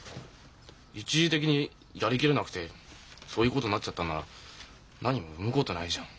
一時的にやりきれなくてそういうことになっちゃったんならなにも産むことないじゃん。